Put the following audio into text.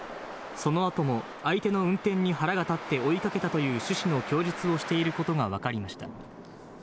そのあとも相手の運転に腹が立って追いかけたという趣旨の供述をしていることが分かりました。